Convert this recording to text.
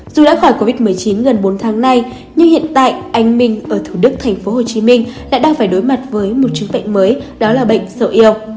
dù đã khỏi covid một mươi chín gần bốn tháng nay nhưng hiện tại anh minh ở thủ đức tp hcm lại đang phải đối mặt với một chứng bệnh mới đó là bệnh sở yo